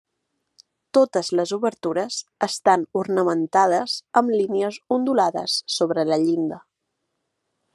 Totes les obertures estan ornamentades amb línies ondulades sobre la llinda.